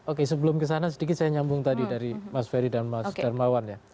oke sebelum kesana sedikit saya nyambung tadi dari mas ferry dan mas darmawan ya